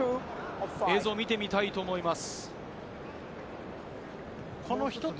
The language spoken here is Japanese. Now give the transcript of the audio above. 映像を見てみたいと思います。